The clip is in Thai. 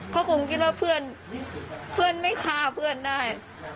เขาคงคิดว่าเพื่อนไม่ฆ่าเพื่อนได้